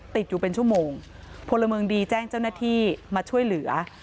ติดอยู่เป็นชั่วโมงพลเมืองดีแจ้งเจ้าหน้าที่มาช่วยเหลือ